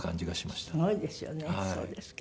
すごいですよね。